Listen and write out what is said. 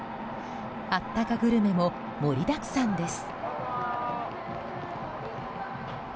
あったかグルメも盛りだくさんです。